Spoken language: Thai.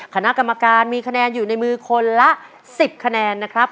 คณะกรรมการมีคะแนนอยู่ในมือคนละ๑๐คะแนนนะครับ